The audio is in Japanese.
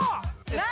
何？